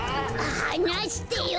はなしてよ。